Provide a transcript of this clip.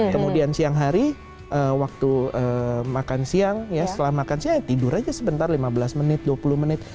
kemudian siang hari waktu makan siang ya setelah makan siang tidur aja sebentar lima belas menit dua puluh menit